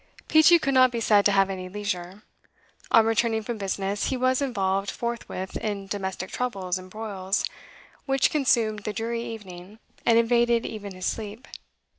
Peachey could not be said to have any leisure. On returning from business he was involved forthwith in domestic troubles and broils, which consumed the dreary evening, and invaded even his sleep.